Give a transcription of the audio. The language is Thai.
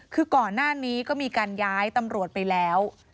คือก่อนหน้านี้ก็มีการย้ายตำรวจไปแล้ว